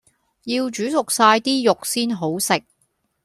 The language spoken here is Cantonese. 要煮熟晒啲肉先好食